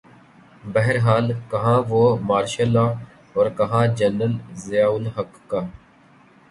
بہرحال کہاںوہ martial law اورکہاں جنرل ضیاء الحق کا۔